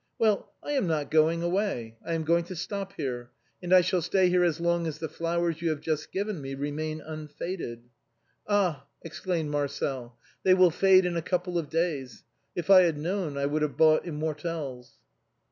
Well, I am not going away, I am going to stop here, and I shall stay here as long as the flowers you have just given me remain un faded." "Ah !" exclaimed Marcel, " they will fade in a couple of days. If I had known I would have bought immortelles."